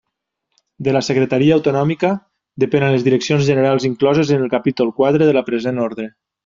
De la Secretaria Autonòmica depenen les direccions generals incloses en el capítol quatre de la present orde.